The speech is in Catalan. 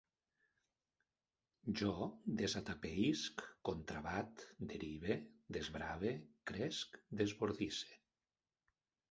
Jo desatapeïsc, contrabat, derive, desbrave, cresc, desbordisse